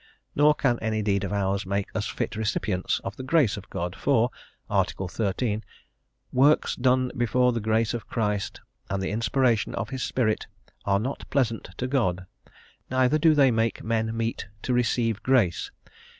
Nor can any deed of ours make us fit recipients of the grace of God, for (Article XIII.) "works done before the grace of Christ and the Inspiration of his Spirit are not pleasant to God.... neither do they make men meet to receive grace....